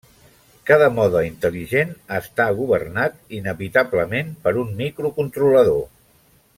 Cada mode intel·ligent està governat inevitablement per un microcontrolador.